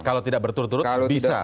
kalau tidak berturut turut bisa